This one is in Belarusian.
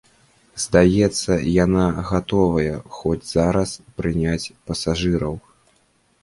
Здаецца, яна гатовая хоць зараз прыняць пасажыраў.